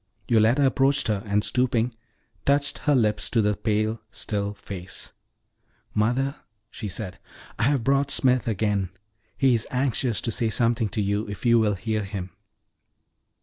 Yoletta approached her, and, stooping, touched her lips to the pale, still face. "Mother," she said, "I have brought Smith again; he is anxious to say something to you, if you will hear him."